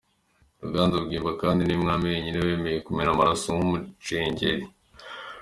Ruganzu Bwimba kandi ni we mwami wenyine wemeye kumena amaraso nk’umucengeri.